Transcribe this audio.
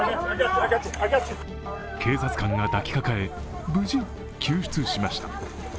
警察官が抱きかかえ、無事、救出しました。